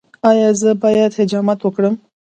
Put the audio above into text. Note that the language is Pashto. ایا زه باید حجامت وکړم؟